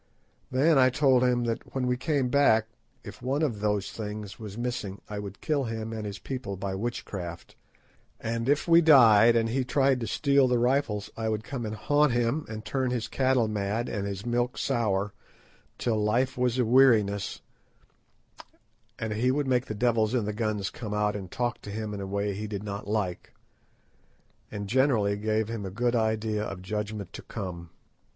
Then I told him that, when we came back, if one of those things was missing I would kill him and his people by witchcraft; and if we died and he tried to steal the rifles I would come and haunt him and turn his cattle mad and his milk sour till life was a weariness, and would make the devils in the guns come out and talk to him in a way he did not like, and generally gave him a good idea of judgment to come.